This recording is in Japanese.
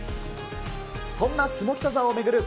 そんな下北沢を巡る